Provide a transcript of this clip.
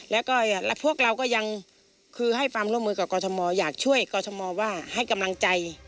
แล้วก็พวกเราก็ยังคือให้ความร่วมมือกับกรทมอยากช่วยกรทมว่าให้กำลังใจ